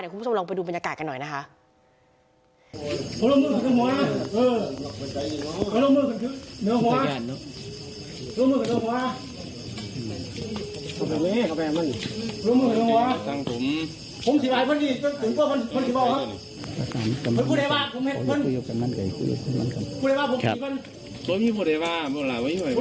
คุณผู้ชมลองไปดูบรรยากาศกันหน่อยนะคะ